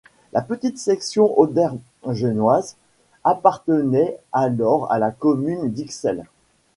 La petite section auderghemoise appartenait alors à la commune d'Ixelles.